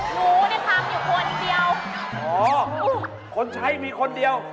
หนูได้ทำคนเดียว